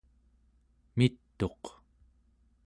mit'uq